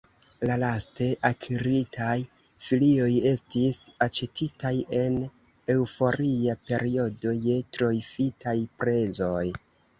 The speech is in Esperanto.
La laste akiritaj filioj estis aĉetitaj en eŭforia periodo je troigitaj prezoj.